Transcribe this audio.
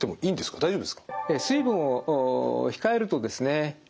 大丈夫ですか。